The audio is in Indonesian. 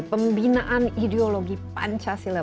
pembinaan ideologi pancasila